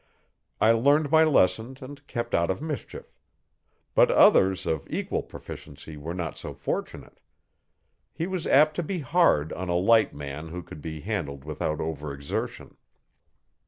I learned my lessons and kept out of mischief. But others of equal proficiency were not so fortunate. He was apt to be hard on a light man who could be handled without over exertion.